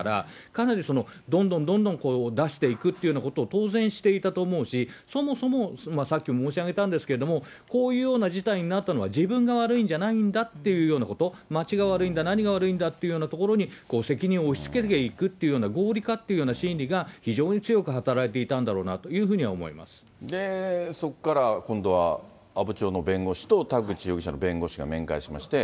かなりどんどんどんどん出していくっていうようなことを当然していたと思うし、そもそもさっき申し上げたんですけれども、こういうような事態になったのは、自分が悪いんじゃないんだっていうようなこと、町が悪いんだ、何が悪いんだっていうところに、責任を押しつけていくっていうような、合理化というような心理が非常に強く働いていたんだろうなというそこから今度は阿武町の弁護士と田口容疑者の弁護士が面会しまして。